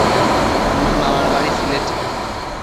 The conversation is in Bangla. আমার মামার বাড়ি সিলেটে।